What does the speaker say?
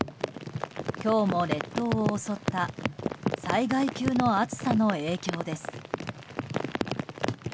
今日も列島を襲った災害級の暑さの影響です。